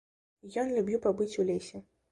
Ён любіў пабыць у лесе.